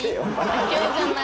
妥協じゃない？